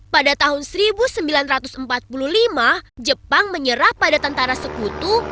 pada tahun seribu sembilan ratus empat puluh lima jepang menyerah pada tentara sekutu